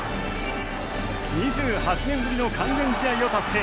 ２８年ぶりの完全試合を達成